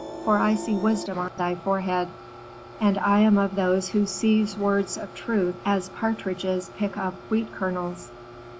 for I see wisdom on thy forehead, and I am of those who seize words of truth as partridges pick up wheat kernels.'